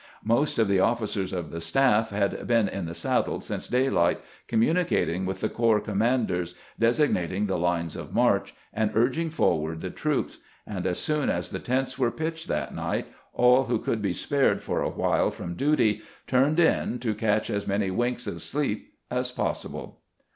Most of the officers of the staff had been in the saddle since daylight, communicating with the corps commanders, designating the lines of march, and urging forward the troops ; and as soon as the tents were pitched that night aU who could be spared for a while from duty " turned in " to catch as many winks of sleep as possible.